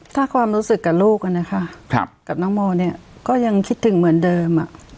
ถ้าความรู้สึกกับลูกนะคะกับน้องโมเนี่ยก็ยังคิดถึงเหมือนเดิม